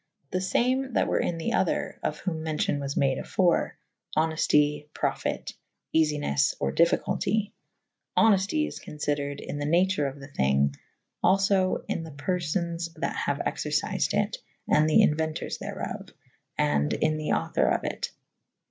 The lame that were in the other (of whom mencion was made afore / honefty / profyte / eafynes / or difficulty. Honefty is confydered in the nature of the thynge / alfo in the perfones that haue excercyfed it / and the inuenters therof. And in the auctour of it.